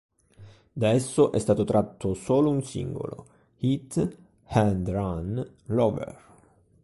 Da esso è stato tratto solo un singolo, Hit and Run Lover.